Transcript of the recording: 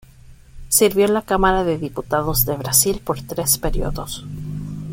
Sirvió en la Cámara de Diputados de Brasil por tres períodos.